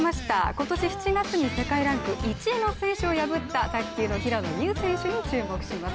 今年７月に世界ランク１位の選手を破った卓球の平野美宇選手に注目します。